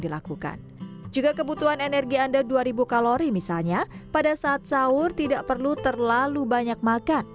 dilakukan juga kebutuhan energi anda dua ribu kalori misalnya pada saat sahur tidak perlu terlalu banyak makan